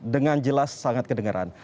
dengan jelas sangat kedengaran